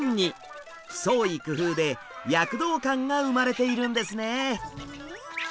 創意工夫で躍動感が生まれているんですね。